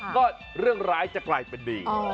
ก็เรื่องร้ายจะกลายเป็นดี